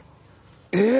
えっ。